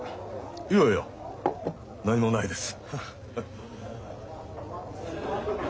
いやいや何もないです。